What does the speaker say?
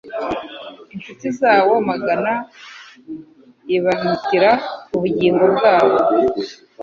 Inshuti yabo magara ibamtira ubugingo bwabo.